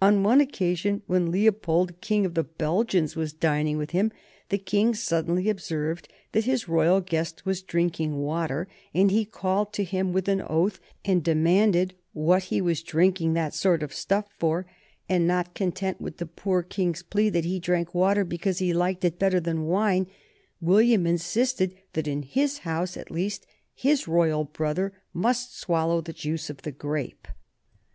On one occasion when Leopold, King of the Belgians, was dining with him the King suddenly observed that his royal guest was drinking water, and he called to him with an oath and demanded what he was drinking that sort of stuff for; and not content with the poor King's plea that he drank water because he liked it better than wine, William insisted that, in his house at least, his royal brother must swallow the juice of the grape.